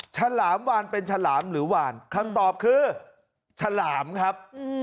ฉลามวานเป็นฉลามหรือวานคำตอบคือฉลามครับ